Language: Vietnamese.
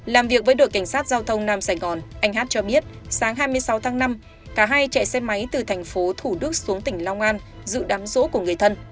làm việc với đội cảnh sát giao thông nam sài gòn anh hát cho biết sáng hai mươi sáu tháng năm cả hai chạy xe máy từ thành phố thủ đức xuống tỉnh long an dự đám rỗ của người thân